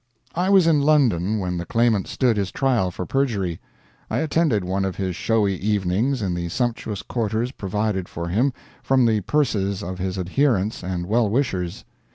I was in London when the Claimant stood his trial for perjury. I attended one of his showy evenings in the sumptuous quarters provided for him from the purses of his adherents and well wishers.